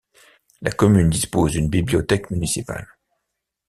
La commune dispose d'une bibliothèque municipale.